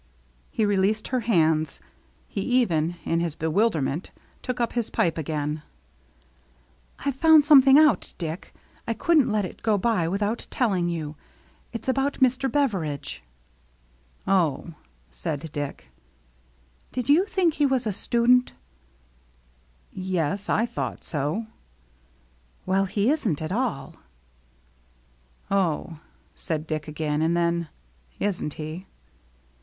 He released her hands. He even, in his bewilderment, took up his pipe again. " I've found something out, Dick. I couldn't let it go by without telling you. It's about — Mr. Beveridge." THE EVENING OF THE SAME DAY 203 " Oh," said Dick. " Did you think he was a student ?"" Yes, I thought so." "Well, he isn't at all." " Oh," said Dick again. And then, " Isn't he?"